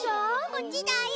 こっちだよ。